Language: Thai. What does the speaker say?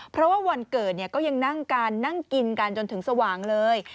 เพราะว่าวันเกิดก็ยังนั่งกันนั่งกินกันจนถึงสว่างเลย